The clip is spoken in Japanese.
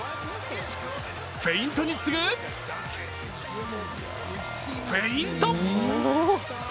フェイントに次ぐフェイント。